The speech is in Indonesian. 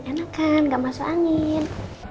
enak kan gak masuk angin